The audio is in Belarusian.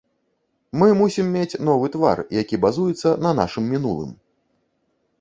Мы мусім мець новы твар, які базуецца на нашым мінулым.